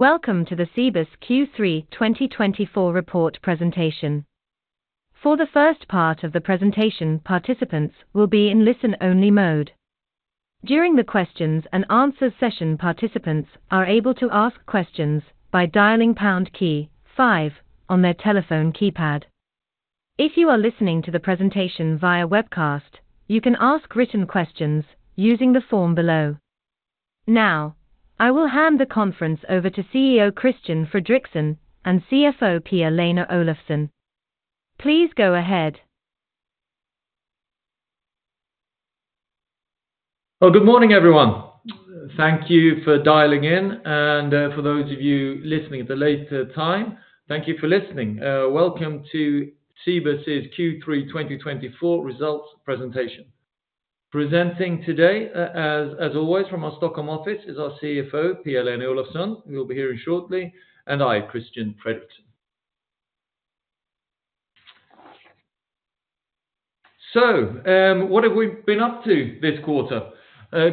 Welcome to the Cibus Q3 2024 report presentation. For the first part of the presentation, participants will be in listen-only mode. During the Q&A session, participants are able to ask questions by dialing pound key 5 on their telephone keypad. If you are listening to the presentation via webcast, you can ask written questions using the form below. Now, I will hand the conference over to CEO Christian Fredrixon and CFO Pia-Lena Olofsson. Please go ahead. Good morning, everyone. Thank you for dialing in, and for those of you listening at a later time, thank you for listening. Welcome to Cibus' Q3 2024 results presentation. Presenting today, as always, from our Stockholm office is our CFO, Pia-Lena Olofsson. We'll be hearing shortly, and I, Christian Fredrixon. So, what have we been up to this quarter?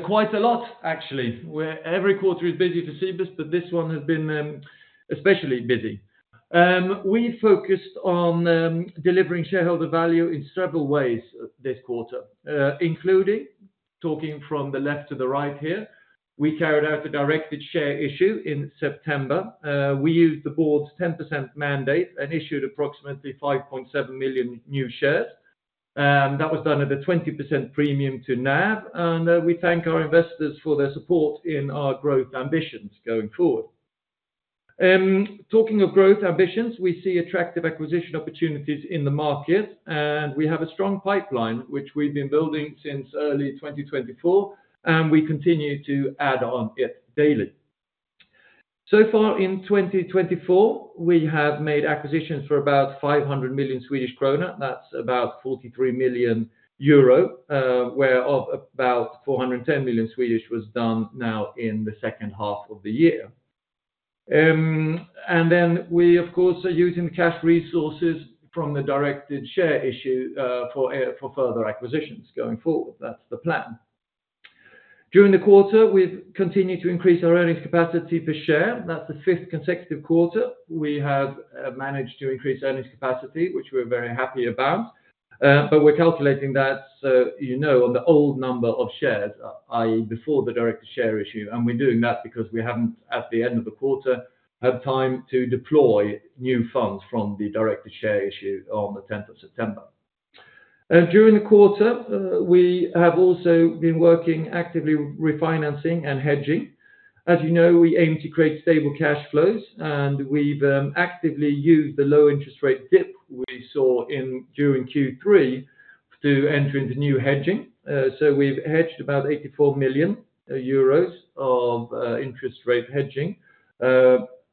Quite a lot, actually. Every quarter is busy for Cibus, but this one has been especially busy. We focused on delivering shareholder value in several ways this quarter, including talking from the left to the right here. We carried out a directed share issue in September. We used the board's 10% mandate and issued approximately 5.7 million new shares. That was done at a 20% premium to NAV, and we thank our investors for their support in our growth ambitions going forward. Talking of growth ambitions, we see attractive acquisition opportunities in the market, and we have a strong pipeline, which we've been building since early 2024, and we continue to add on it daily. So far, in 2024, we have made acquisitions for about 500 million Swedish krona. That's about 43 million euro, whereof about 410 million was done now in the second half of the year. And then we, of course, are using the cash resources from the directed share issue for further acquisitions going forward. That's the plan. During the quarter, we've continued to increase our earnings capacity per share. That's the fifth consecutive quarter. We have managed to increase earnings capacity, which we're very happy about, but we're calculating that, you know, on the old number of shares, i.e., before the directed share issue, and we're doing that because we haven't, at the end of the quarter, had time to deploy new funds from the directed share issue on the 10th of September. During the quarter, we have also been working actively with refinancing and hedging. As you know, we aim to create stable cash flows, and we've actively used the low interest rate dip we saw during Q3 to enter into new hedging. So we've hedged about 84 million euros of interest rate hedging.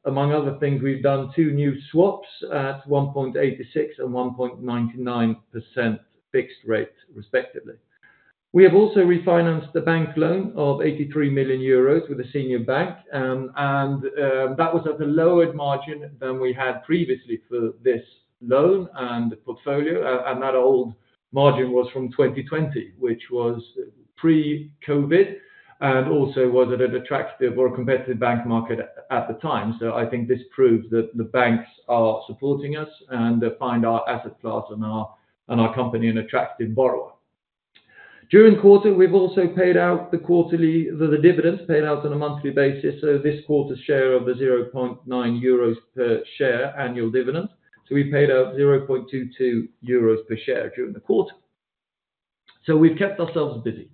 Among other things, we've done two new swaps at 1.86% and 1.99% fixed rate, respectively. We have also refinanced the bank loan of 83 million euros with a senior bank, and that was at a lowered margin than we had previously for this loan and portfolio, and that old margin was from 2020, which was pre-COVID, and also was at an attractive or competitive bank market at the time. So I think this proves that the banks are supporting us and find our asset class and our company an attractive borrower. During the quarter, we've also paid out the quarterly dividends, paid out on a monthly basis. So this quarter's share of the 0.9 euros per share annual dividend. So we paid out 0.22 euros per share during the quarter. So we've kept ourselves busy.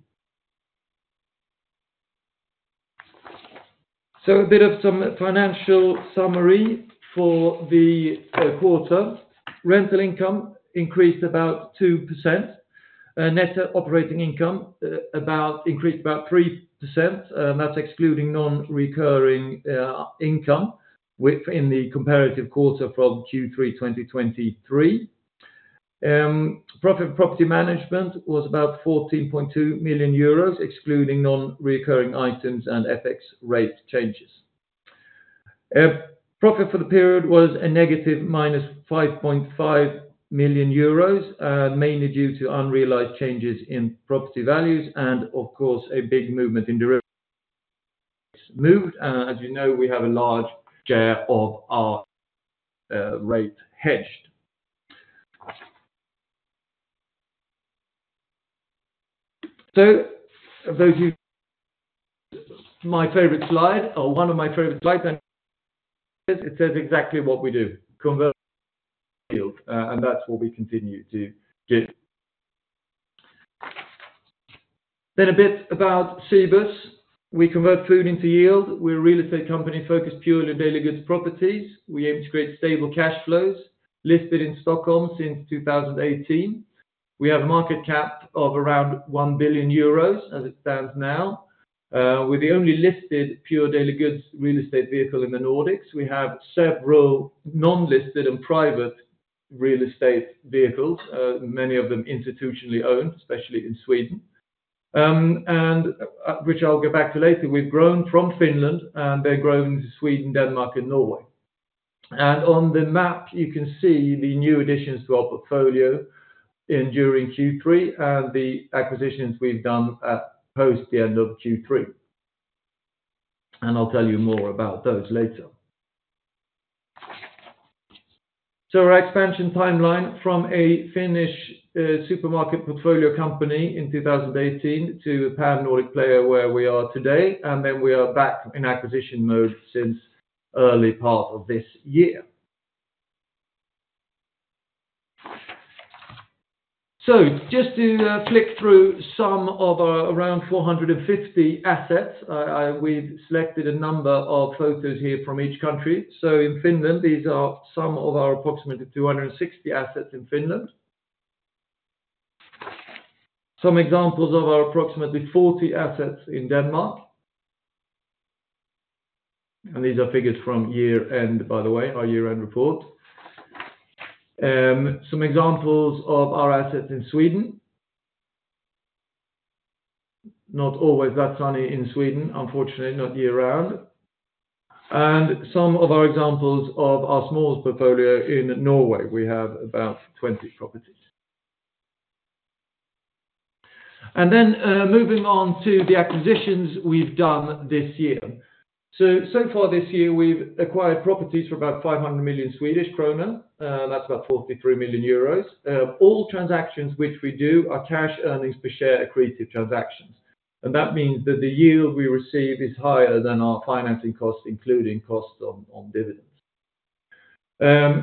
So a bit of some financial summary for the quarter. Rental income increased about 2%. Net operating income increased about 3%. That's excluding non-recurring income in the comparative quarter from Q3 2023. Profit for property management was about 14.2 million euros, excluding non-recurring items and FX rate changes. Profit for the period was a -5.5 million euros, mainly due to unrealized changes in property values and, of course, a big movement in derivatives moved. As you know, we have a large share of our rates hedged. So my favorite slide, or one of my favorite slides, it says exactly what we do: convert yield, and that's what we continue to do. Then a bit about Cibus. We convert food into yield. We're a real estate company focused purely on daily goods properties. We aim to create stable cash flows. Listed in Stockholm since 2018. We have a market cap of around 1 billion euros as it stands now. We're the only listed pure daily goods real estate vehicle in the Nordics. We have several non-listed and private real estate vehicles, many of them institutionally owned, especially in Sweden, which I'll get back to later. We've grown from Finland, and they've grown into Sweden, Denmark, and Norway, and on the map, you can see the new additions to our portfolio during Q3 and the acquisitions we've done post the end of Q3. I'll tell you more about those later. Our expansion timeline from a Finnish supermarket portfolio company in 2018 to a Pan-Nordic player where we are today, and then we are back in acquisition mode since early part of this year. Just to flick through some of our around 450 assets, we've selected a number of photos here from each country. In Finland, these are some of our approximately 260 assets in Finland. Some examples of our approximately 40 assets in Denmark. And these are figures from year-end, by the way, our year-end report. Some examples of our assets in Sweden. Not always that sunny in Sweden, unfortunately, not year-round. And some of our examples of our smallest portfolio in Norway. We have about 20 properties. And then moving on to the acquisitions we've done this year. So far this year, we've acquired properties for about 500 million Swedish krona. That's about 43 million euros. All transactions which we do are cash earnings per share accretive transactions. And that means that the yield we receive is higher than our financing costs, including costs on dividends.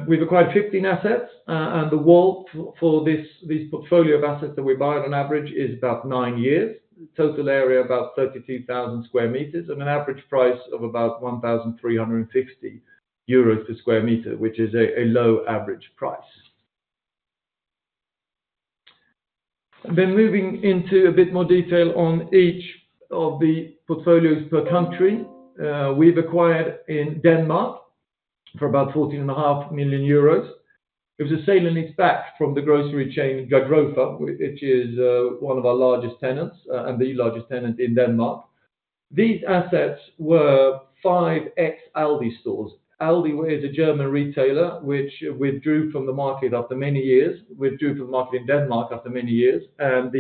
We've acquired 15 assets, and the WALT for this portfolio of assets that we buy on average is about nine years. Total area about 32,000 sq m and an average price of about 1,350 euros per square meter, which is a low average price. Then moving into a bit more detail on each of the portfolios per country, we've acquired in Denmark for about 14.5 million euros. It was a sale and leaseback from the grocery chain Dagrofa, which is one of our largest tenants and the largest tenant in Denmark. These assets were five Aldi stores. Aldi is a German retailer which withdrew from the market after many years, withdrew from the market in Denmark after many years, and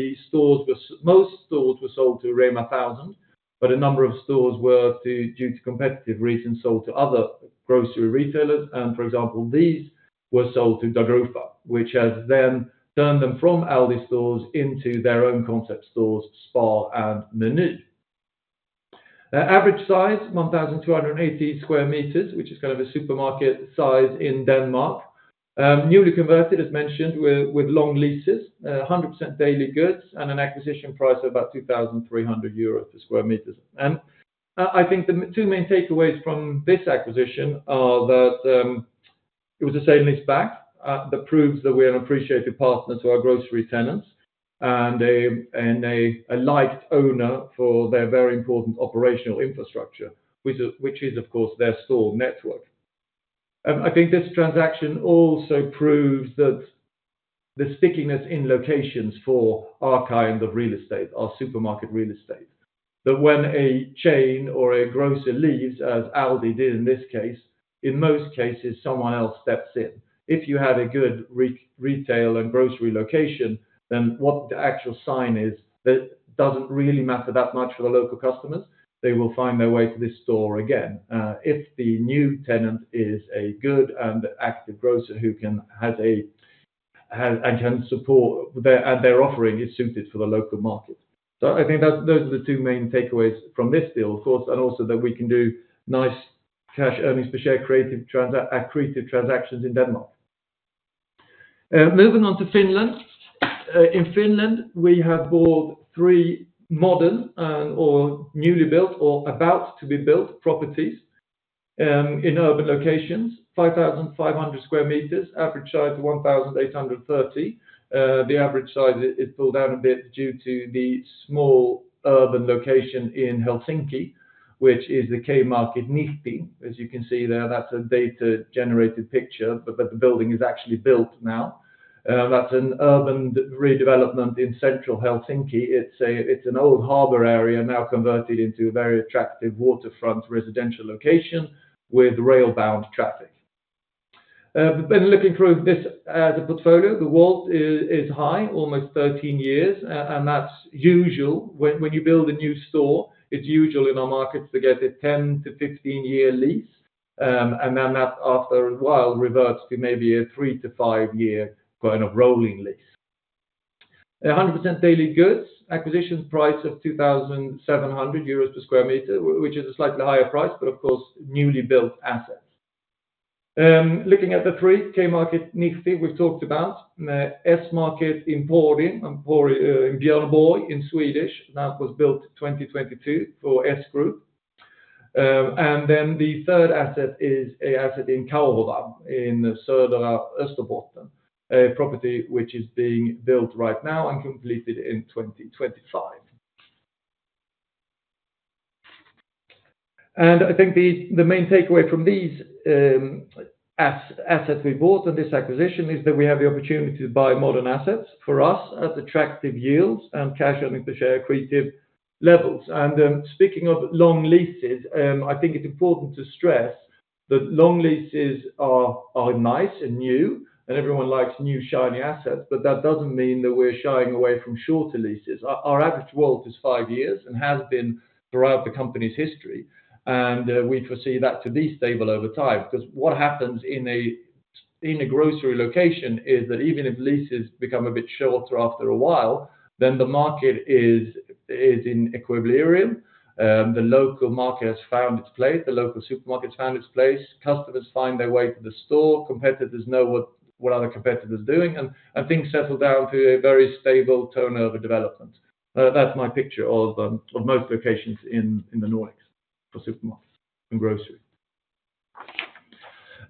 most stores were sold to Rema 1000, but a number of stores were due to competitive reasons sold to other grocery retailers. For example, these were sold to Dagrofa, which has then turned them from Aldi stores into their own concept stores, Spar and Meny. Average size, 1,280 sq m, which is kind of a supermarket size in Denmark. Newly converted, as mentioned, with long leases, 100% daily goods, and an acquisition price of about 2,300 euros per sq m. And I think the two main takeaways from this acquisition are that it was a sale and leaseback that proves that we are an appreciated partner to our grocery tenants and a liked owner for their very important operational infrastructure, which is, of course, their store network. I think this transaction also proves that the stickiness in locations for our kind of real estate, our supermarket real estate, that when a chain or a grocer leaves, as Aldi did in this case, in most cases, someone else steps in. If you had a good retail and grocery location, then what the actual sign is, that doesn't really matter that much for the local customers. They will find their way to this store again if the new tenant is a good and active grocer who has and can support, and their offering is suited for the local market. So I think those are the two main takeaways from this deal, of course, and also that we can do nice cash earnings per share accretive transactions in Denmark. Moving on to Finland. In Finland, we have bought three modern or newly built or about to be built properties in urban locations, 5,500 sq m, average size of 1,830. The average size is pulled down a bit due to the small urban location in Helsinki, which is the K-Market Nihti. As you can see there, that's a data-generated picture, but the building is actually built now. That's an urban redevelopment in central Helsinki. It's an old harbor area now converted into a very attractive waterfront residential location with railbound traffic. Looking through this as a portfolio, the WALT is high, almost 13 years, and that's usual when you build a new store. It's usual in our markets to get a 10- to 15-year lease, and then that after a while reverts to maybe a three- to five-year kind of rolling lease. 100% daily goods, acquisition price of 2,700 euros per square meter, which is a slightly higher price, but of course, newly built assets. Looking at the three, K-Market Nihti we've talked about, S-Market Imatra Imatra in Swedish, that was built in 2022 for S-Group. Then the third asset is an asset in Kauhajoki in Södra Österbotten, a property which is being built right now and completed in 2025. And I think the main takeaway from these assets we bought and this acquisition is that we have the opportunity to buy modern assets for us at attractive yields and cash earnings per share accretive levels. And speaking of long leases, I think it's important to stress that long leases are nice and new, and everyone likes new shiny assets, but that doesn't mean that we're shying away from shorter leases. Our average WALT is five years and has been throughout the company's history, and we foresee that to be stable over time because what happens in a grocery location is that even if leases become a bit shorter after a while, then the market is in equilibrium. The local market has found its place. The local supermarket has found its place. Customers find their way to the store. Competitors know what other competitors are doing, and things settle down to a very stable turnover development. That's my picture of most locations in the Nordics for supermarkets and grocery.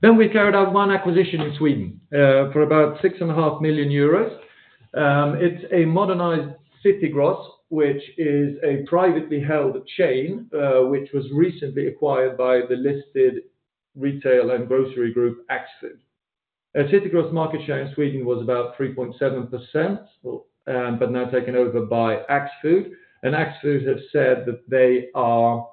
Then we've carried out one acquisition in Sweden for about 6.5 million euros. It's a modernized City Gross, which is a privately held chain which was recently acquired by the listed retail and grocery group Axfood. City Gross market share in Sweden was about 3.7%, but now taken over by Axfood. And Axfood have said that they are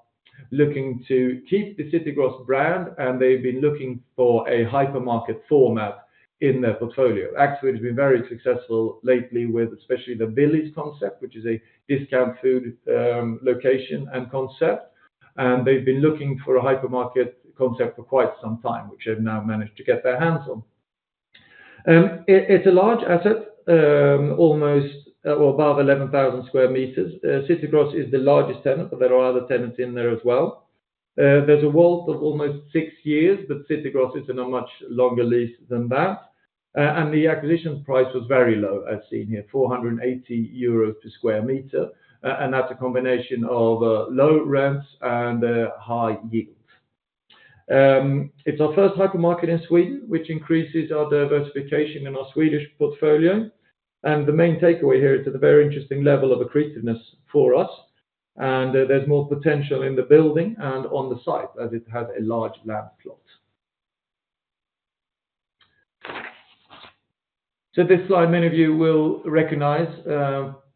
looking to keep the City Gross brand, and they've been looking for a hypermarket format in their portfolio. Axfood has been very successful lately with especially the Willys concept, which is a discount food location and concept, and they've been looking for a hypermarket concept for quite some time, which they've now managed to get their hands on. It's a large asset, almost above 11,000 sq m. City Gross is the largest tenant, but there are other tenants in there as well. There's a WALT of almost six years, but City Gross is in a much longer lease than that, and the acquisition price was very low, as seen here, 480 euros per sq m, and that's a combination of low rents and high yield. It's our first hypermarket in Sweden, which increases our diversification in our Swedish portfolio, and the main takeaway here is that a very interesting level of accretiveness for us, and there's more potential in the building and on the site as it has a large land plot, so this slide, many of you will recognize.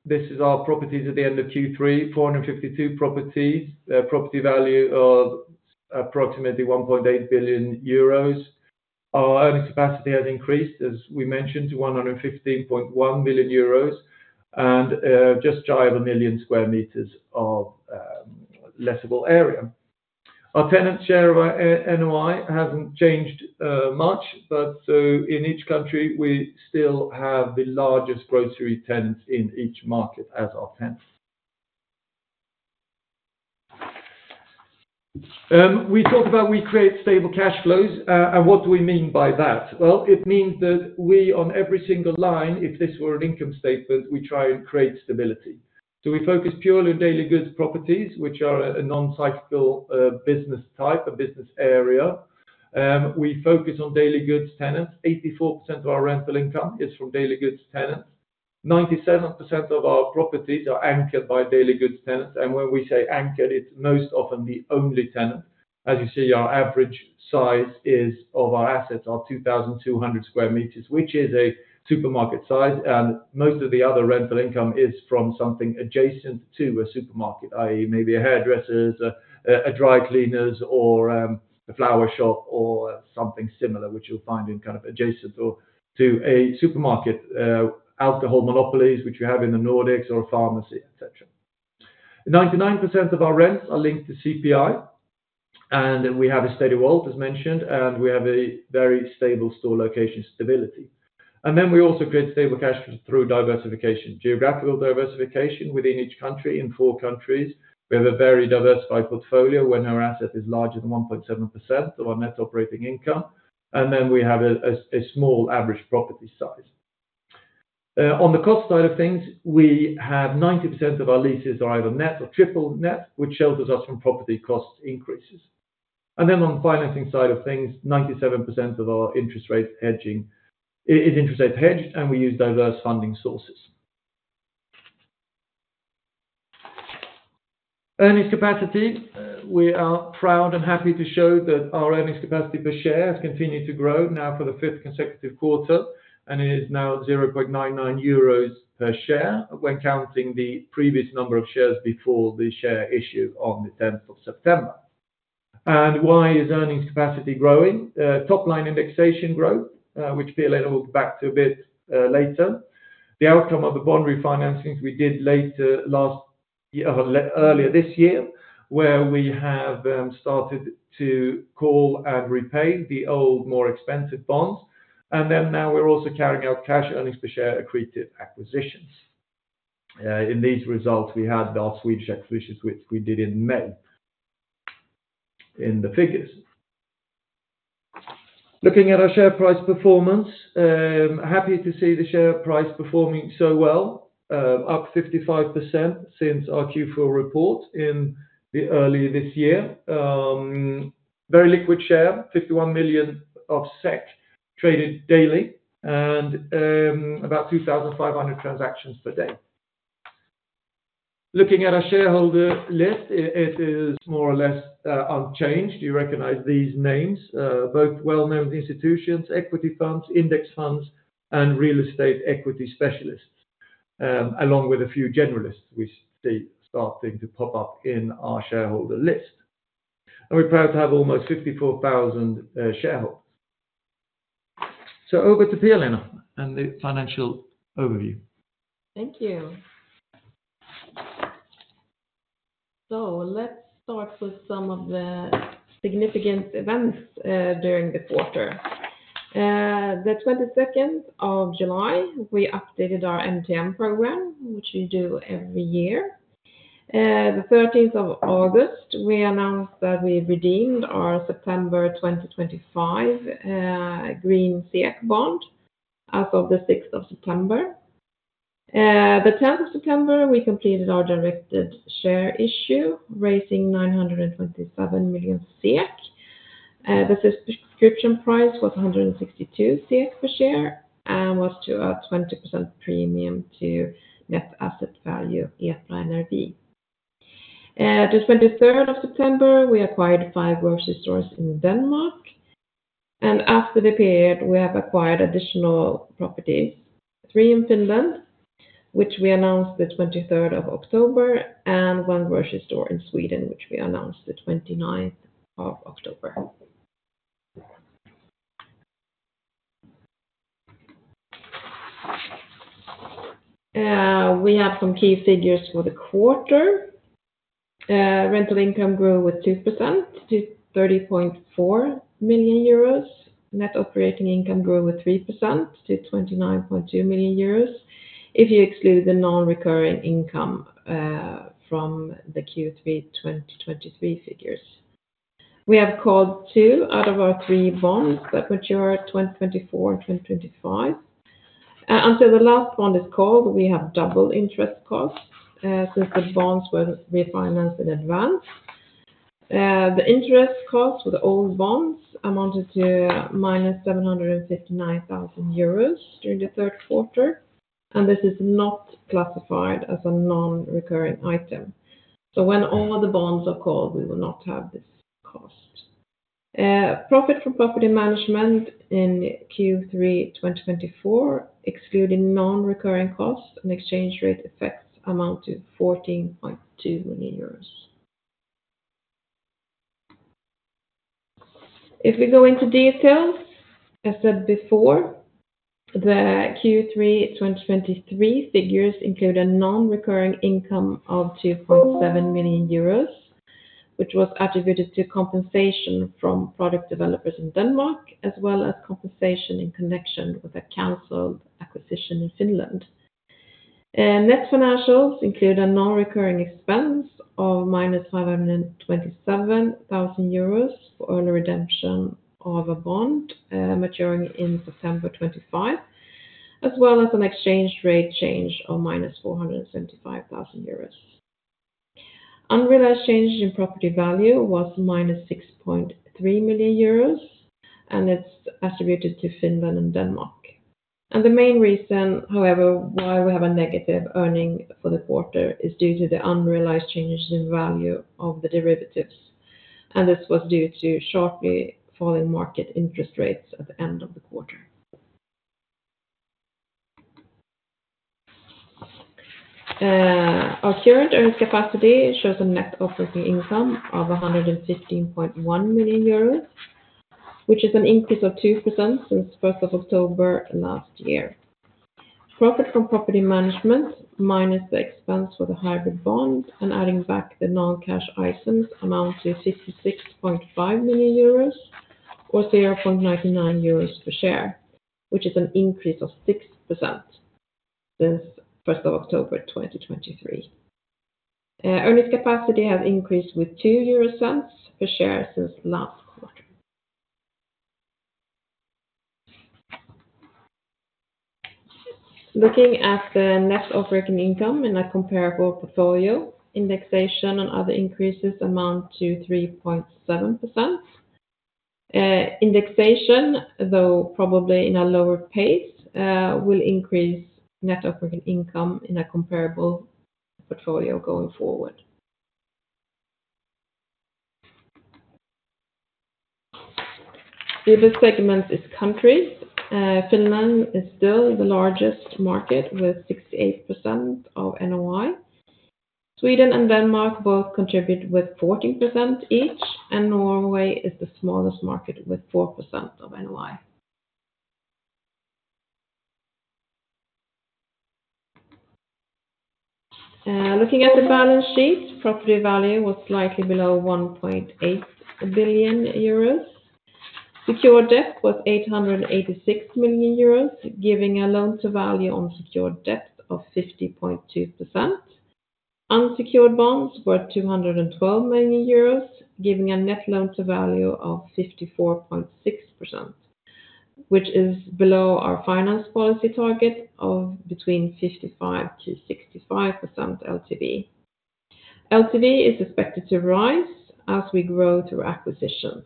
This is our properties at the end of Q3, 452 properties, property value of approximately 1.8 billion euros. Our earnings capacity has increased, as we mentioned, to 115.1 million euros and just shy of a million sq m of leasable area. Our tenant share of NOI hasn't changed much, but in each country, we still have the largest grocery tenants in each market as our tenants. We talk about we create stable cash flows, and what do we mean by that? Well, it means that we on every single line, if this were an income statement, we try and create stability. So we focus purely on daily goods properties, which are a non-cyclical business type, a business area. We focus on daily goods tenants. 84% of our rental income is from daily goods tenants. 97% of our properties are anchored by daily goods tenants, and when we say anchored, it's most often the only tenant. As you see, our average size of our assets is 2,200 sq m, which is a supermarket size, and most of the other rental income is from something adjacent to a supermarket, i.e., maybe hairdressers, dry cleaners, or a flower shop or something similar, which you'll find in kind of adjacent to a supermarket, alcohol monopolies which we have in the Nordics, or a pharmacy, etc. 99% of our rents are linked to CPI, and we have a steady WALT, as mentioned, and we have a very stable store location stability, and then we also create stable cash through diversification, geographical diversification within each country. In four countries, we have a very diversified portfolio when no asset is larger than 1.7% of our net operating income, and then we have a small average property size. On the cost side of things, we have 90% of our leases are either net or triple net, which shelters us from property cost increases. And then on the financing side of things, 97% of our interest rate hedging is interest rate hedged, and we use diverse funding sources. Earnings capacity, we are proud and happy to show that our earnings capacity per share has continued to grow now for the fifth consecutive quarter, and it is now 0.99 euros per share when counting the previous number of shares before the share issue on the 10th of September. And why is earnings capacity growing? Top line indexation growth, which Pia-Lena will get back to a bit later. The outcome of the bond refinancings we did earlier this year, where we have started to call and repay the old, more expensive bonds, and then now we're also carrying out cash earnings per share accretive acquisitions. In these results, we had our Swedish acquisitions, which we did in May in the figures. Looking at our share price performance, happy to see the share price performing so well, up 55% since our Q4 report in early this year. Very liquid share, 51 million traded daily and about 2,500 transactions per day. Looking at our shareholder list, it is more or less unchanged. You recognize these names, both well-known institutions, equity funds, index funds, and real estate equity specialists, along with a few generalists we see starting to pop up in our shareholder list, and we're proud to have almost 54,000 shareholders. So over to Pia-Lena and the financial overview. Thank you. So let's start with some of the significant events during the quarter. The 22nd of July, we updated our MTN program, which we do every year. The 13th of August, we announced that we redeemed our September 2025 green SEK bond as of the 6th of September. The 10th of September, we completed our directed share issue, raising 927 million. The subscription price was 162 per share and was to a 20% premium to net asset value EPRA NRV. The 23rd of September, we acquired five grocery stores in Denmark, and after the period, we have acquired additional properties, three in Finland, which we announced the 23rd of October, and one grocery store in Sweden, which we announced the 29th of October. We have some key figures for the quarter. Rental income grew with 2% to 30.4 million euros. Net operating income grew with 3% to 29.2 million euros, if you exclude the non-recurring income from the Q3 2023 figures. We have called two out of our three bonds that mature 2024 and 2025. Until the last bond is called, we have doubled interest costs since the bonds were refinanced in advance. The interest cost for the old bonds amounted to minus 759,000 euros during the third quarter, and this is not classified as a non-recurring item. So when all the bonds are called, we will not have this cost. Profit from property management in Q3 2024, excluding non-recurring costs and exchange rate effects, amount to 14.2 million euros. If we go into details, as said before, the Q3 2023 figures include a non-recurring income of 2.7 million euros, which was attributed to compensation from product developers in Denmark, as well as compensation in connection with a canceled acquisition in Finland. Net financials include a non-recurring expense of minus 527,000 euros for early redemption of a bond maturing in September 2025, as well as an exchange rate change of minus 475,000 euros. Unrealized change in property value was minus 6.3 million euros, and it's attributed to Finland and Denmark. And the main reason, however, why we have a negative earning for the quarter is due to the unrealized changes in value of the derivatives, and this was due to sharply falling market interest rates at the end of the quarter. Our current earnings capacity shows a net operating income of 115.1 million euros, which is an increase of 2% since 1st of October last year. Profit from property management minus the expense for the hybrid bond and adding back the non-cash items amounts to 56.5 million euros or 0.99 euros per share, which is an increase of 6% since 1st of October 2023. Earnings capacity has increased with 0.02 per share since last quarter. Looking at the net operating income in a comparable portfolio, indexation and other increases amount to 3.7%. Indexation, though probably in a lower pace, will increase net operating income in a comparable portfolio going forward. The other segments is countries. Finland is still the largest market with 68% of NOI. Sweden and Denmark both contribute with 14% each, and Norway is the smallest market with 4% of NOI. Looking at the balance sheet, property value was slightly below 1.8 billion euros. Secured debt was 886 million euros, giving a loan-to-value on secured debt of 50.2%. Unsecured bonds were 212 million euros, giving a net loan-to-value of 54.6%, which is below our finance policy target of between 55% to 65% LTV. LTV is expected to rise as we grow through acquisitions.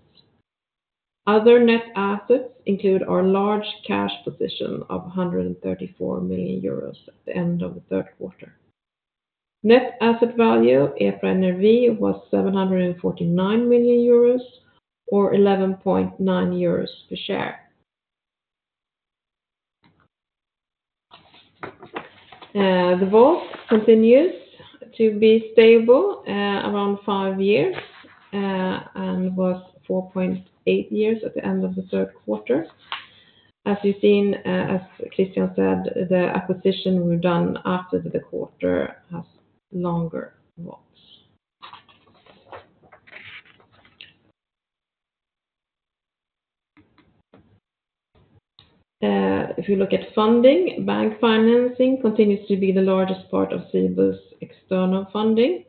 Other net assets include our large cash position of 134 million euros at the end of the third quarter. Net asset value EPRA NRV was EUR 749 million or 11.9 euros per share. The WALT continues to be stable around five years and was 4.8 years at the end of the third quarter. As you've seen, as Christian said, the acquisition we've done after the quarter has longer WALTs. If we look at funding, bank financing continues to be the largest part of Cibus external funding,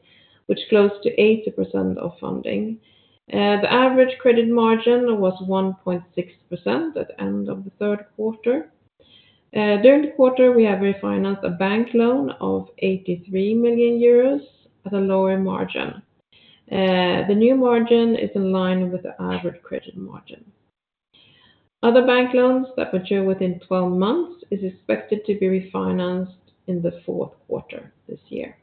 which close to 80% of funding. The average credit margin was 1.6% at the end of the third quarter. During the quarter, we have refinanced a bank loan of 83 million euros at a lower margin. The new margin is in line with the average credit margin. Other bank loans that mature within 12 months are expected to be refinanced in the fourth quarter this year.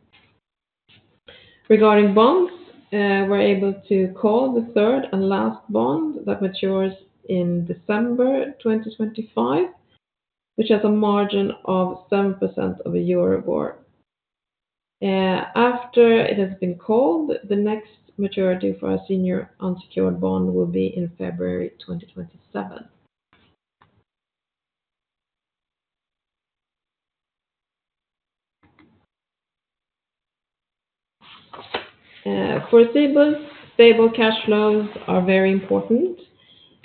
Regarding bonds, we're able to call the third and last bond that matures in December 2025, which has a margin of 7% per year or more. After it has been called, the next maturity for our senior unsecured bond will be in February 2027. For Cibus, stable cash flows are very important.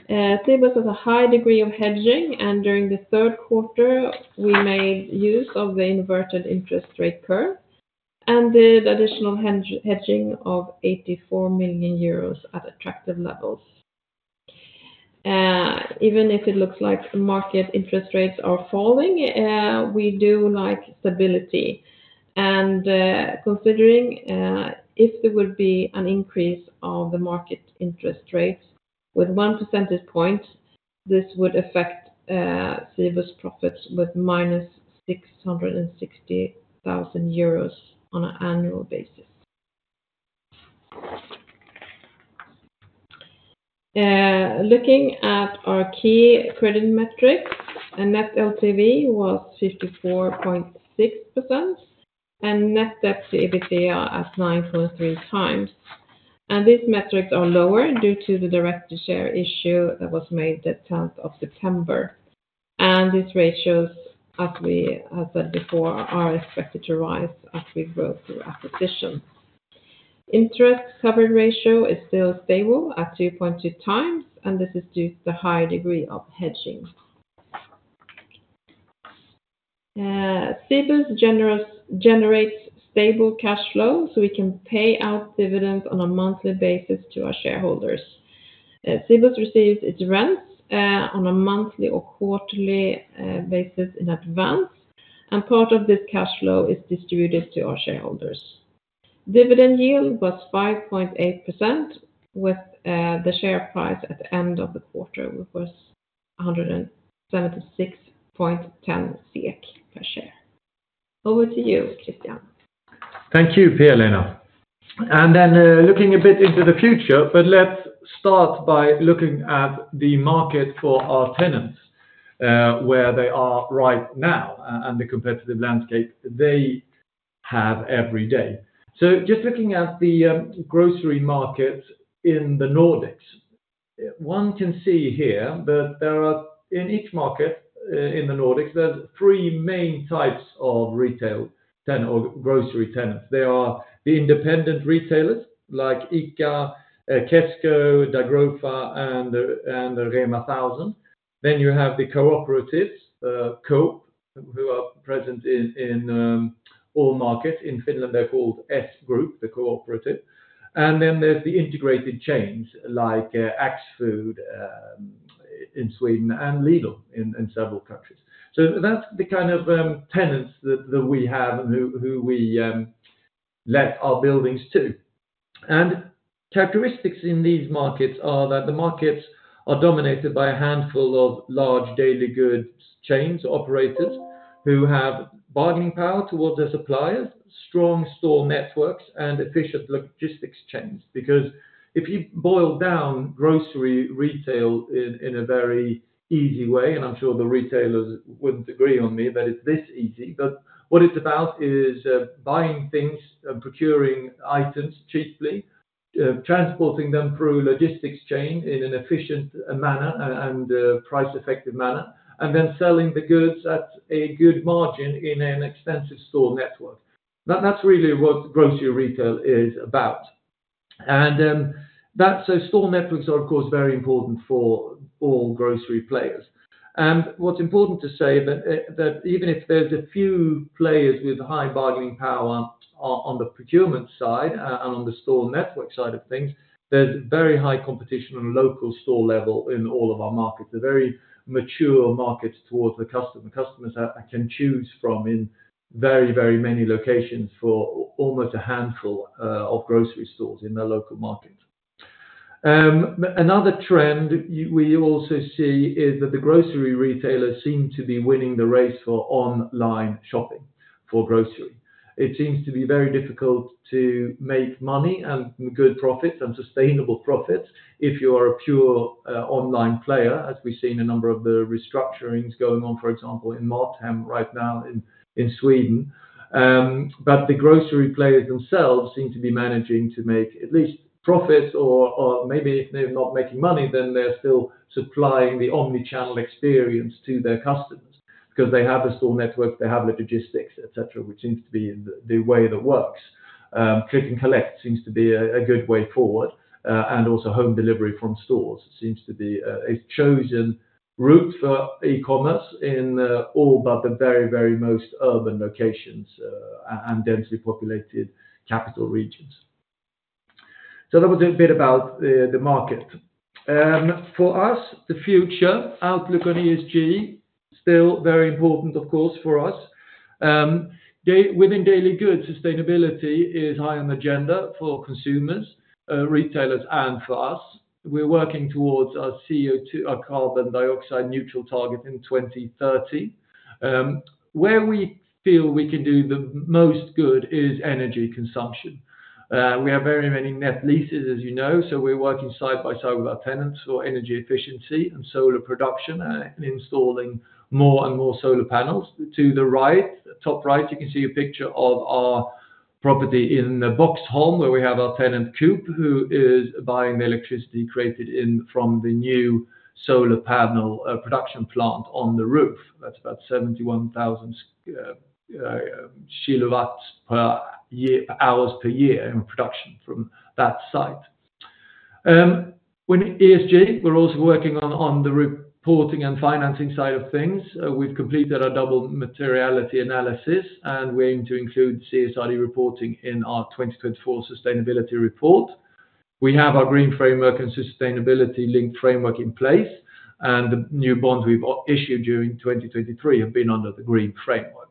Cibus has a high degree of hedging, and during the third quarter, we made use of the inverted interest rate curve and did additional hedging of 84 million euros at attractive levels. Even if it looks like market interest rates are falling, we do like stability. Considering if there would be an increase of the market interest rates with one percentage point, this would affect Cibus profits with -660,000 euros on an annual basis. Looking at our key credit metrics, net LTV was 54.6% and net debt to EBITDA at 9.3 times. These metrics are lower due to the directed share issue that was made the 10th of September. These ratios, as we have said before, are expected to rise as we grow through acquisitions. Interest coverage ratio is still stable at 2.2 times, and this is due to the high degree of hedging. Cibus generates stable cash flow so we can pay out dividends on a monthly basis to our shareholders. Cibus receives its rents on a monthly or quarterly basis in advance, and part of this cash flow is distributed to our shareholders. Dividend yield was 5.8% with the share price at the end of the quarter, which was 176.10 SEK per share. Over to you, Christian. Thank you, Pia-Lena, and then looking a bit into the future, but let's start by looking at the market for our tenants, where they are right now, and the competitive landscape they have every day, so just looking at the grocery market in the Nordics, one can see here that there are, in each market in the Nordics, there's three main types of retailers or grocery tenants. There are the independent retailers like ICA, Kesko, Dagrofa, and Rema 1000. Then you have the cooperatives, COOP, who are present in all markets. In Finland, they're called S-Group, the cooperative. And then there's the integrated chains like Axfood in Sweden and Lidl in several countries. So that's the kind of tenants that we have and who we let our buildings to. And characteristics in these markets are that the markets are dominated by a handful of large daily goods chains, operators, who have bargaining power towards their suppliers, strong store networks, and efficient logistics chains. Because if you boil down grocery retail in a very easy way, and I'm sure the retailers wouldn't agree on me that it's this easy, but what it's about is buying things and procuring items cheaply, transporting them through a logistics chain in an efficient manner and price-effective manner, and then selling the goods at a good margin in an extensive store network. That's really what grocery retail is about. And that's so store networks are, of course, very important for all grocery players. And what's important to say is that even if there's a few players with high bargaining power on the procurement side and on the store network side of things, there's very high competition on a local store level in all of our markets. They're very mature markets towards the customer. Customers can choose from in very, very many locations for almost a handful of grocery stores in their local market. Another trend we also see is that the grocery retailers seem to be winning the race for online shopping for grocery. It seems to be very difficult to make money and good profits and sustainable profits if you are a pure online player, as we've seen a number of the restructurings going on, for example, in Mathem right now in Sweden. But the grocery players themselves seem to be managing to make at least profits, or maybe if they're not making money, then they're still supplying the omnichannel experience to their customers because they have a store network, they have the logistics, etc., which seems to be the way that works. Click and collect seems to be a good way forward, and also home delivery from stores seems to be a chosen route for e-commerce in all but the very, very most urban locations and densely populated capital regions, so that was a bit about the market. For us, the future outlook on ESG is still very important, of course, for us. Within daily goods, sustainability is high on the agenda for consumers, retailers, and for us. We're working towards our CO2, our carbon dioxide neutral target in 2030. Where we feel we can do the most good is energy consumption. We have very many net leases, as you know, so we're working side by side with our tenants for energy efficiency and solar production and installing more and more solar panels. To the right, top right, you can see a picture of our property in Boxholm, where we have our tenant, Coop, who is buying the electricity created from the new solar panel production plant on the roof. That's about 71,000 kWs per hours per year in production from that site. Within ESG, we're also working on the reporting and financing side of things. We've completed our double materiality analysis, and we aim to include CSRD reporting in our 2024 sustainability report. We have our green framework and sustainability linked framework in place, and the new bonds we've issued during 2023 have been under the green framework.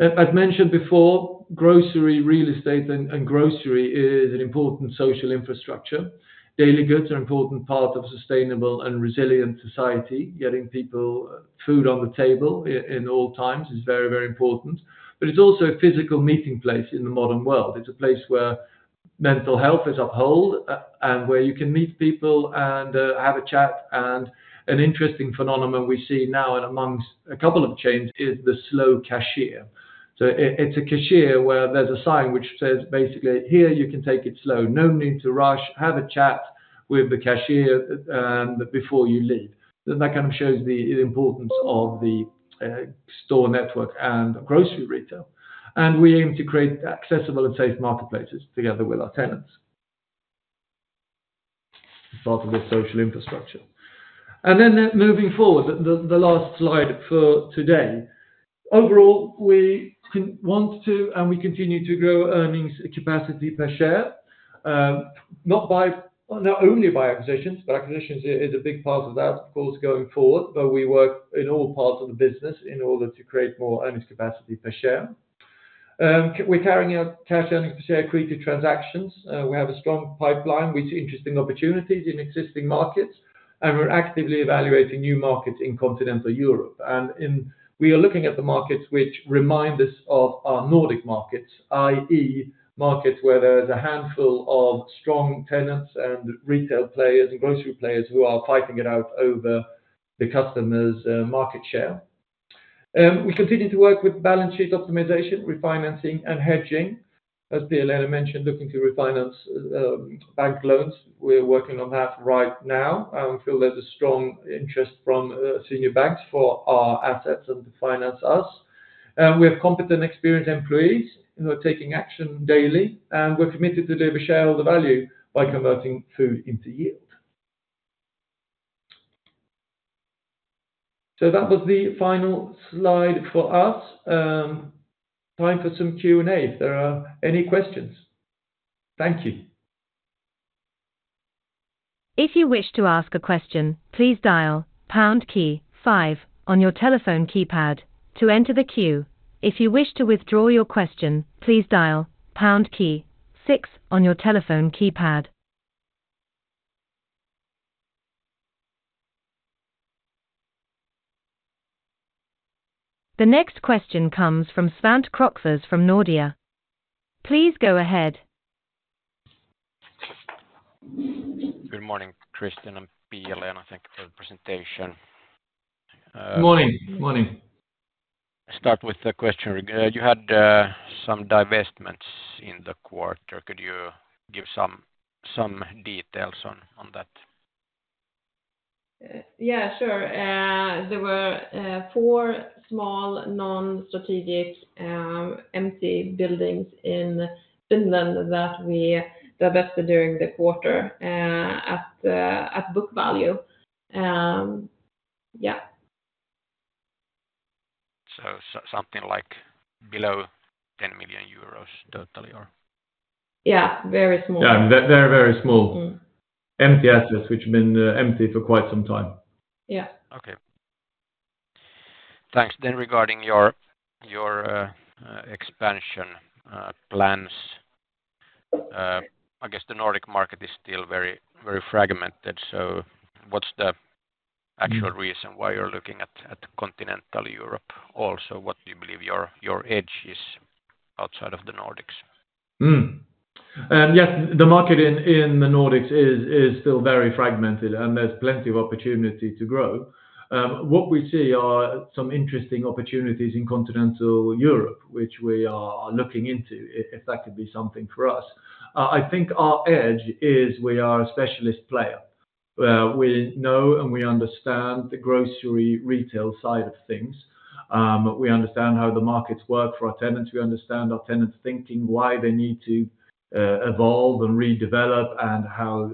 As mentioned before, grocery, real estate, and grocery is an important social infrastructure. Daily goods are an important part of a sustainable and resilient society. Getting people food on the table in all times is very, very important, but it's also a physical meeting place in the modern world. It's a place where mental health is upheld and where you can meet people and have a chat, and an interesting phenomenon we see now amongst a couple of chains is the slow cashier. So it's a cashier where there's a sign which says basically, "Here, you can take it slow. No need to rush. Have a chat with the cashier before you leave." That kind of shows the importance of the store network and grocery retail. And we aim to create accessible and safe marketplaces together with our tenants as part of the social infrastructure. And then moving forward, the last slide for today. Overall, we want to and we continue to grow earnings capacity per share, not only by acquisitions, but acquisitions is a big part of that, of course, going forward. But we work in all parts of the business in order to create more earnings capacity per share. We're carrying out cash earnings per share created transactions. We have a strong pipeline with interesting opportunities in existing markets, and we're actively evaluating new markets in Continental Europe. We are looking at the markets which remind us of our Nordic markets, i.e., markets where there's a handful of strong tenants and retail players and grocery players who are fighting it out over the customer's market share. We continue to work with balance sheet optimization, refinancing, and hedging. As Pia-Lena mentioned, looking to refinance bank loans. We're working on that right now. I feel there's a strong interest from senior banks for our assets and to finance us. We have competent, experienced employees who are taking action daily, and we're committed to deliver shareholder value by converting food into yield. That was the final slide for us. Time for some Q&A if there are any questions. Thank you. If you wish to ask a question, please dial #5 on your telephone keypad to enter the queue. If you wish to withdraw your question, please dial #6 on your telephone keypad. The next question comes from Svante Krokfors from Nordea. Please go ahead. Good morning, Christian. I'm Pia-Lena, thank you for the presentation. Good morning. Good morning. Start with the question. You had some divestments in the quarter. Could you give some details on that? Yeah, sure. There were four small, non-strategic, empty buildings in Finland that we divested during the quarter at book value. Yeah. So something like below 10 million euros total, or? Yeah, very small. Yeah, they're very small. Empty assets which have been empty for quite some time. Yeah. Okay. Thanks. Then regarding your expansion plans, I guess the Nordic market is still very fragmented. So what's the actual reason why you're looking at continental Europe? Also, what do you believe your edge is outside of the Nordics? Yes, the market in the Nordics is still very fragmented, and there's plenty of opportunity to grow. What we see are some interesting opportunities in continental Europe, which we are looking into if that could be something for us. I think our edge is we are a specialist player. We know and we understand the grocery retail side of things. We understand how the markets work for our tenants. We understand our tenants' thinking, why they need to evolve and redevelop, and how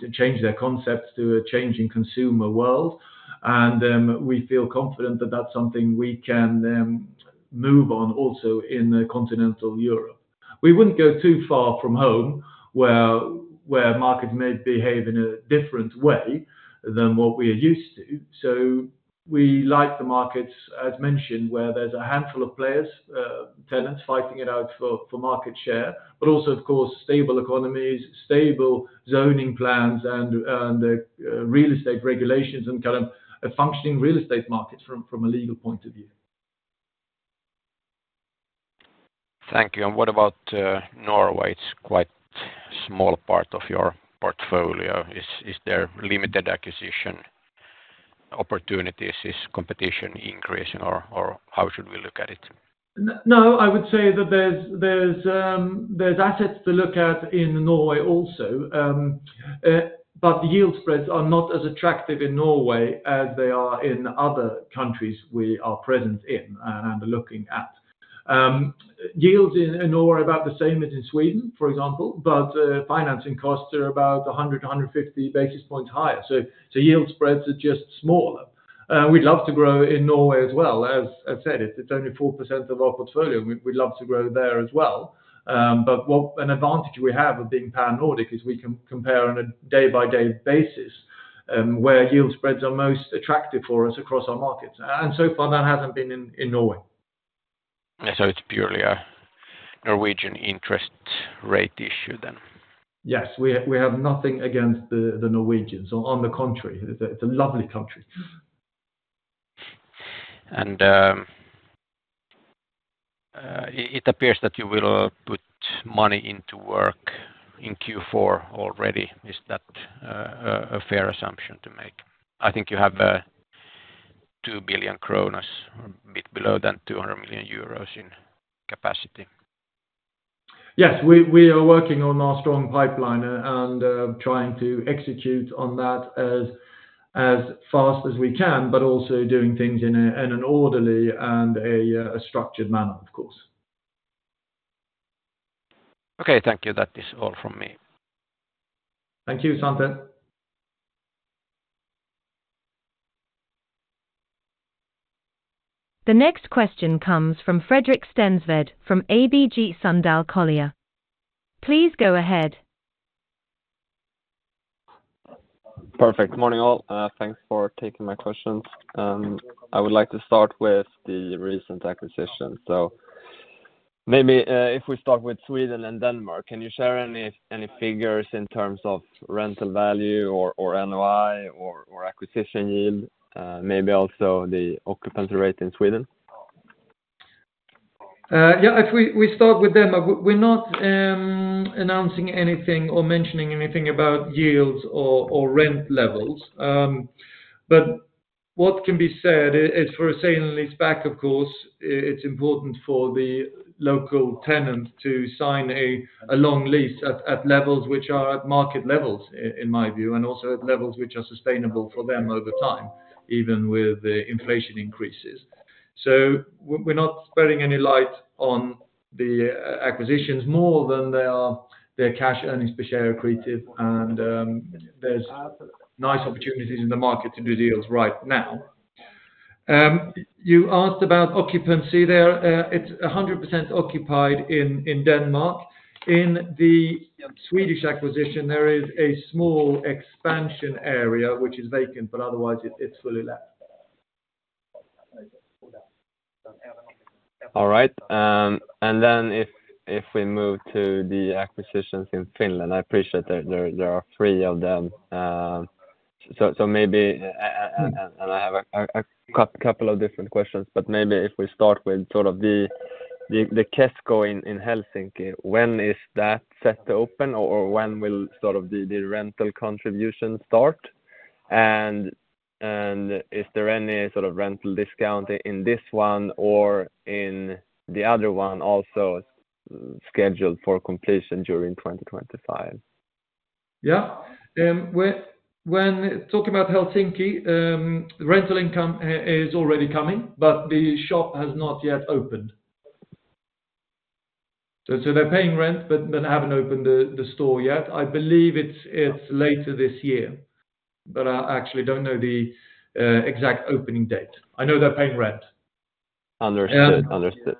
to change their concepts to a changing consumer world, and we feel confident that that's something we can move on also in continental Europe. We wouldn't go too far from home where markets may behave in a different way than what we are used to. We like the markets, as mentioned, where there's a handful of players, tenants fighting it out for market share, but also, of course, stable economies, stable zoning plans, and real estate regulations, and kind of a functioning real estate market from a legal point of view. Thank you. And what about Norway? It's quite a small part of your portfolio. Is there limited acquisition opportunities? Is competition increasing, or how should we look at it? No, I would say that there's assets to look at in Norway also. But the yield spreads are not as attractive in Norway as they are in other countries we are present in and looking at. Yields in Norway are about the same as in Sweden, for example, but financing costs are about 100-150 basis points higher. So yield spreads are just smaller. We'd love to grow in Norway as well. As I said, it's only 4% of our portfolio. We'd love to grow there as well. But what an advantage we have of being pan-Nordic is we can compare on a day-by-day basis where yield spreads are most attractive for us across our markets. And so far, that hasn't been in Norway. So it's purely a Norwegian interest rate issue then? Yes, we have nothing against the Norwegians. On the contrary, it's a lovely country. And it appears that you will put money into work in Q4 already. Is that a fair assumption to make? I think you have 2 billion, a bit below that, 200 million euros in capacity. Yes, we are working on our strong pipeline and trying to execute on that as fast as we can, but also doing things in an orderly and a structured manner, of course. Okay, thank you. That is all from me. Thank you, Svante. The next question comes from Fredrik Skjerven from ABG Sundal Collier. Please go ahead. Perfect. Good morning, all. Thanks for taking my questions. I would like to start with the recent acquisitions. So maybe if we start with Sweden and Denmark, can you share any figures in terms of rental value or NOI or acquisition yield? Maybe also the occupancy rate in Sweden? Yeah, if we start with Denmark, we're not announcing anything or mentioning anything about yields or rent levels. But what can be said is for a sale and leaseback, of course, it's important for the local tenant to sign a long lease at levels which are at market levels, in my view, and also at levels which are sustainable for them over time, even with inflation increases. So we're not shedding any light on the acquisitions more than their cash earnings per share created, and there's nice opportunities in the market to do deals right now. You asked about occupancy. It's 100% occupied in Denmark. In the Swedish acquisition, there is a small expansion area which is vacant, but otherwise, it's fully let. All right. And then if we move to the acquisitions in Finland, I appreciate there are three of them. So maybe I have a couple of different questions, but maybe if we start with sort of the Kesko in Helsinki, when is that set to open, or when will sort of the rental contribution start? And is there any sort of rental discount in this one or in the other one also scheduled for completion during 2025? Yeah. When talking about Helsinki, rental income is already coming, but the shop has not yet opened. So they're paying rent, but they haven't opened the store yet. I believe it's later this year, but I actually don't know the exact opening date. I know they're paying rent. Understood. Understood.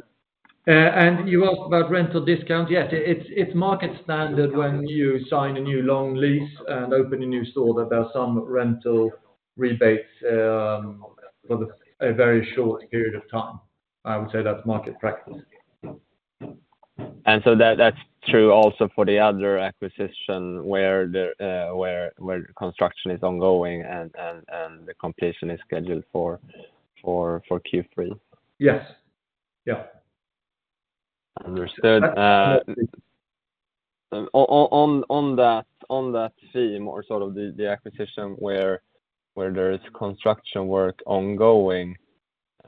And you asked about rental discount. Yes, it's market standard when you sign a new long lease and open a new store that there are some rental rebates for a very short period of time. I would say that's market practice. And so that's true also for the other acquisition where construction is ongoing and the completion is scheduled for Q3? Yes. Yeah. Understood. On that theme or sort of the acquisition where there is construction work ongoing,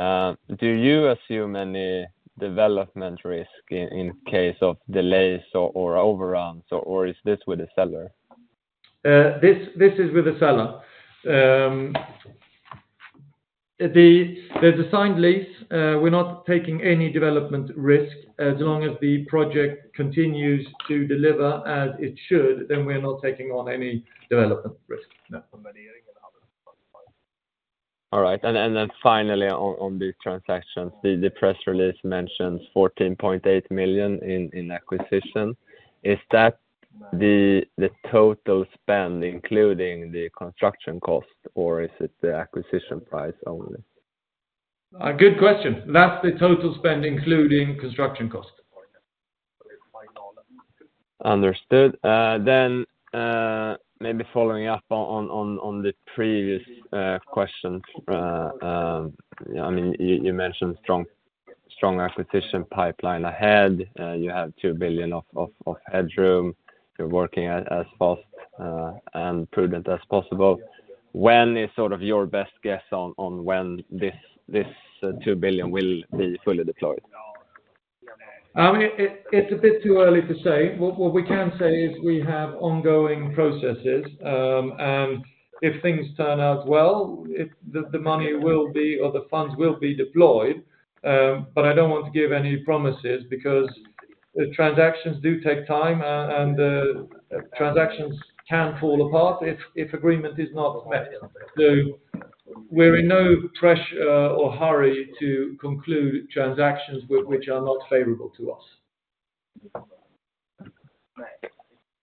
do you assume any development risk in case of delays or overruns, or is this with the seller? This is with the seller. The lease is designed, we're not taking any development risk. As long as the project continues to deliver as it should, then we're not taking on any development risk. No. All right. And then finally, on these transactions, the press release mentions 14.8 million in acquisition. Is that the total spend including the construction cost, or is it the acquisition price only? Good question. That's the total spend including construction cost. Understood. Then maybe following up on the previous questions, I mean, you mentioned strong acquisition pipeline ahead. You have 2 billion of headroom. You're working as fast and prudent as possible. When is sort of your best guess on when this 2 billion will be fully deployed? It's a bit too early to say. What we can say is we have ongoing processes, and if things turn out well, the money will be or the funds will be deployed. But I don't want to give any promises because transactions do take time, and transactions can fall apart if agreement is not met. So we're in no pressure or hurry to conclude transactions which are not favorable to us.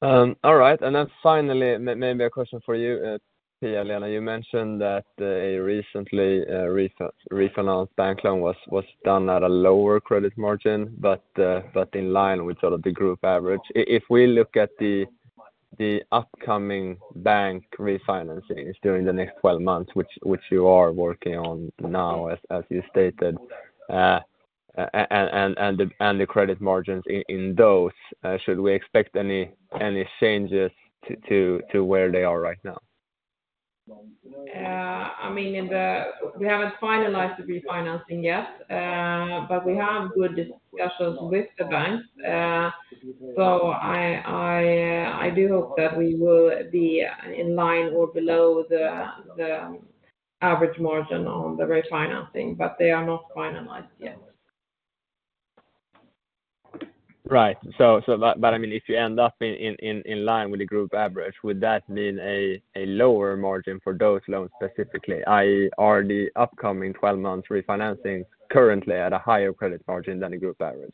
All right. And then finally, maybe a question for you, Pia-Lena. You mentioned that a recently refinanced bank loan was done at a lower credit margin, but in line with sort of the group average. If we look at the upcoming bank refinancings during the next 12 months, which you are working on now, as you stated, and the credit margins in those, should we expect any changes to where they are right now? I mean, we haven't finalized the refinancing yet, but we have good discussions with the banks. So I do hope that we will be in line or below the average margin on the refinancing, but they are not finalized yet. Right. But I mean, if you end up in line with the group average, would that mean a lower margin for those loans specifically, i.e., are the upcoming 12 months refinancing currently at a higher credit margin than the group average?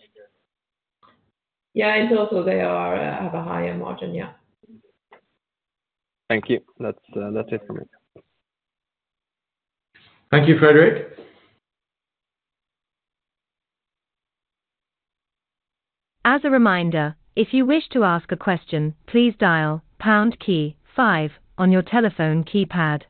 Yeah, in total, they have a higher margin. Yeah. Thank you. That's it for me. Thank you, Fredrik. As a reminder, if you wish to ask a question, please dial #5 on your telephone keypad.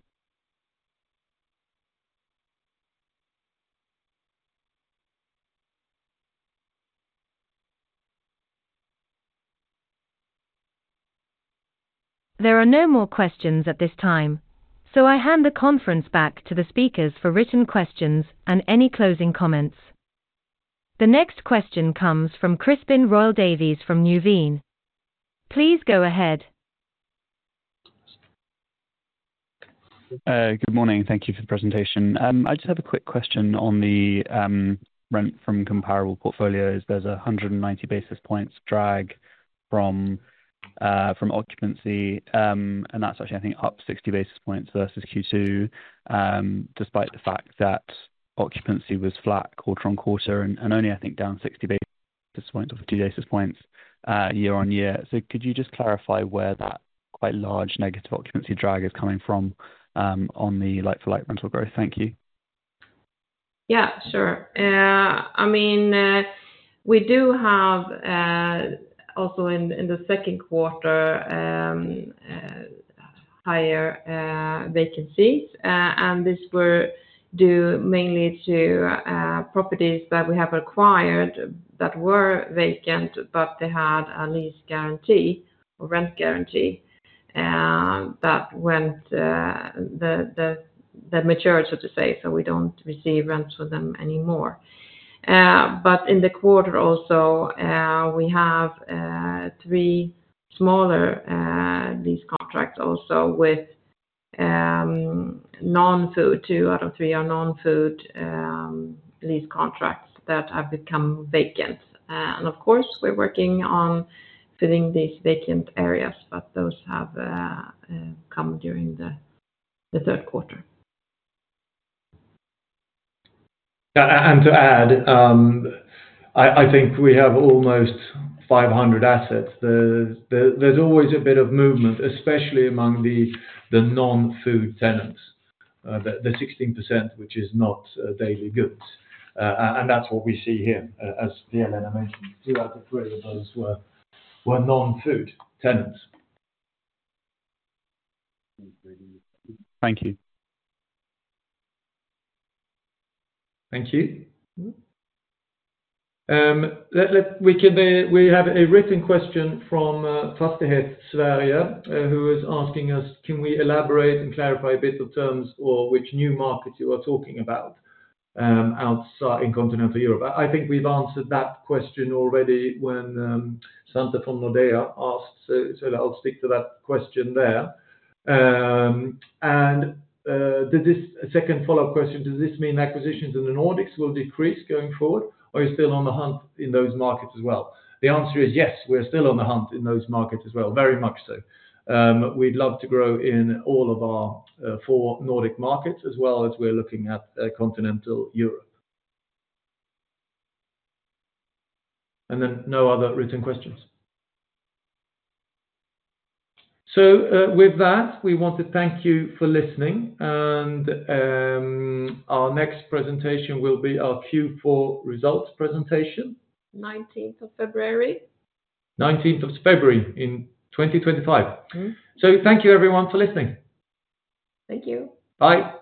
There are no more questions at this time, so I hand the conference back to the speakers for written questions and any closing comments. The next question comes from Crispin Royle-Davies from Nuveen. Please go ahead. Good morning. Thank you for the presentation. I just have a quick question on the rent from comparable portfolios. There's a 190 basis points drag from occupancy, and that's actually, I think, up 60 basis points versus Q2, despite the fact that occupancy was flat quarter on quarter and only, I think, down 60 basis points or 50 basis points year on year. So could you just clarify where that quite large negative occupancy drag is coming from on the like-for-like rental growth? Thank you. Yeah, sure. I mean, we do have also in the second quarter higher vacancies, and these were due mainly to properties that we have acquired that were vacant, but they had a lease guarantee or rent guarantee that matured, so to say, so we don't receive rent from them anymore. But in the quarter also, we have three smaller lease contracts also with non-food. Two out of three are non-food lease contracts that have become vacant. And of course, we're working on filling these vacant areas, but those have come during the third quarter. And to add, I think we have almost 500 assets. There's always a bit of movement, especially among the non-food tenants, the 16%, which is not daily goods. And that's what we see here, as Pia-Lena mentioned. Two out of three of those were non-food tenants. Thank you. Thank you. We have a written question from Fastighetssverige, who is asking us, "Can we elaborate and clarify a bit the terms or which new market you are talking about outside in continental Europe?" I think we've answered that question already when Svante from Nordea asked, so I'll stick to that question there. And the second follow-up question, "Does this mean acquisitions in the Nordics will decrease going forward, or are you still on the hunt in those markets as well?" The answer is yes, we're still on the hunt in those markets as well. Very much so. We'd love to grow in all of our four Nordic markets as well as we're looking at Continental Europe. And then no other written questions. So with that, we want to thank you for listening, and our next presentation will be our Q4 results presentation. 19th of February. 19th of February in 2025. So thank you, everyone, for listening. Thank you. Bye.